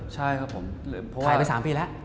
ถ่ายไปสามปีแล้ว